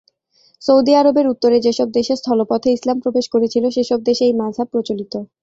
Saudi আরবের উত্তরে যে সব দেশে স্থলপথে ইসলাম প্রবেশ করেছিল সে সব দেশে এই মাযহাব প্রচলিত।